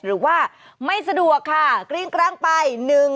หรือว่าไม่สะดวกค่ะกริ้งกร้างไป